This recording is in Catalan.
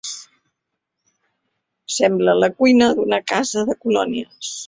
Sembla la cuina d'una casa de colònies.